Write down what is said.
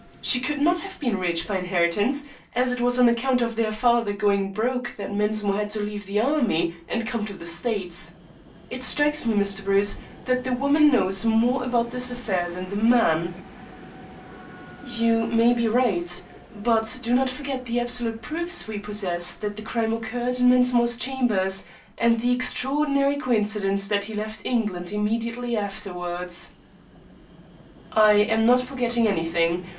She could not have been rich by inheritance, as it was on account of their father going broke that Mensmore had to leave the Army and come to the States. It strikes me, Mr. Bruce, that the woman knows more about this affair than the man." "You may be right. But do not forget the absolute proofs we possess that the crime occurred in Mensmore's chambers, and the extraordinary coincidence that he left England immediately afterwards." "I am not forgetting anything.